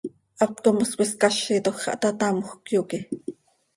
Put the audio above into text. Haptco mos cöiscázitoj xah taa tamjöc, yoque.